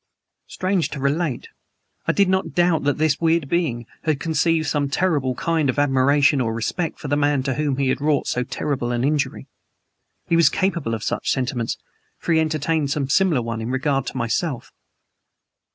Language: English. Strange to relate, I did not doubt that this weird being had conceived some kind of admiration or respect for the man to whom he had wrought so terrible an injury. He was capable of such sentiments, for he entertained some similar one in regard to myself.